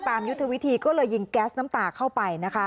ยุทธวิธีก็เลยยิงแก๊สน้ำตาเข้าไป